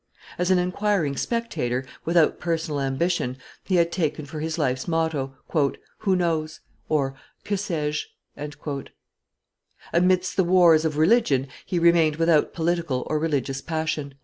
As an inquiring spectator, without personal ambition, he had taken for his life's motto, "Who knows? (Que sais je?)" Amidst the wars of religion he remained without political or religious passion.